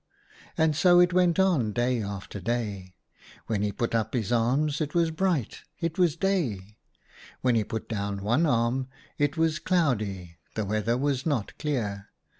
And so it went on day after day. When he put up 58 OUTA KAREL'S STORIES his arms, it was bright, it was day. When he put down one arm, it was cloudy, the weather was not clear.